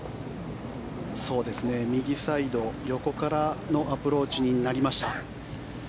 右サイド横からのアプローチになりました。